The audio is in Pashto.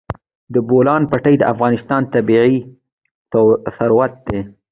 د بولان پټي د افغانستان طبعي ثروت دی.